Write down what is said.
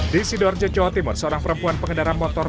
di sidoarjo jawa timur seorang perempuan pengendara motor